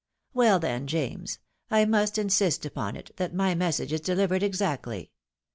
" Well then, James, I must insist upon it that my message is delivered exactly.